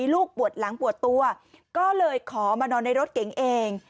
ลูกปวดหลังปวดตัวก็เลยขอมานอนในรถเก๋งเอง